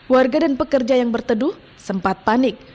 warga dan pekerja yang berteduh sempat panik